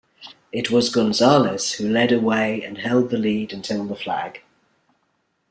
It was Gonzalez who led away and held the lead until the flag.